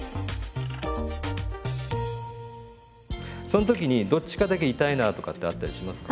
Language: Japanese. その時にどっちかだけ痛いなとかってあったりしますか？